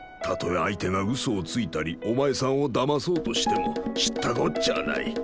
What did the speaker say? たとえ相手がうそをついたりお前さんをだまそうとしても知ったこっちゃあない。